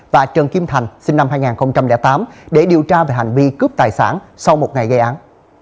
và trần kim thành sinh năm hai nghìn tám để điều tra về hành vi cướp tài sản sau một ngày gây án